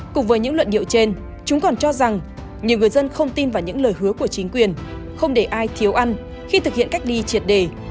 cùng với những luận điệu trên chúng còn cho rằng nhiều người dân không tin vào những lời hứa của chính quyền không để ai thiếu ăn khi thực hiện cách ly triệt đề